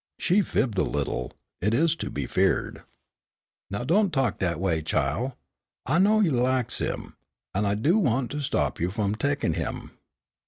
She fibbed a little, it is to be feared. "Now don't talk dat 'way, chile. I know you laks him, an' I do' want to stop you f'om tekin' him.